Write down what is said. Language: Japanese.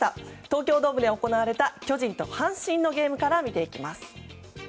東京ドームで行われた巨人と阪神のゲームから見ていきます。